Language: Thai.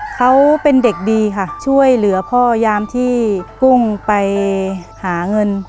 เขาเป็นเด็กดีค่ะช่วยเหลือพ่อยามที่กุ้งไปหาเงิน